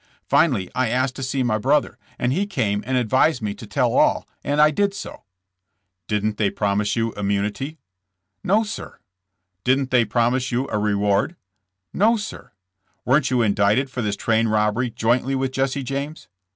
Finally I asked to see my brother, and he came and advised me to tell all, and I did so." "Didn't they promise you immunity?" "No, sir." "Didn't they promise you a reward?" "No, sir." "Weren't you indicted for this train robbery jointly with Jesse James?"